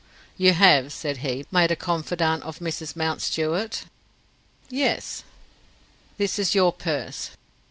"You have," said he, "made a confidante of Mrs. Mountstuart." "Yes." "This is your purse."